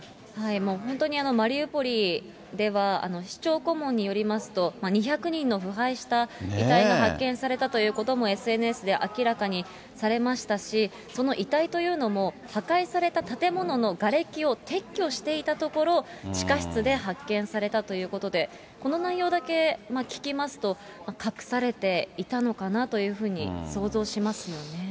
もう本当に、マリウポリでは、市長顧問によりますと、２００人の腐敗した遺体が発見されたということもＳＮＳで明らかにされましたし、その遺体というのも、破壊された建物のがれきを撤去していたところ、地下室で発見されたということで、この内容だけ聞きますと、隠されていたのかなというふうに想像しますよね。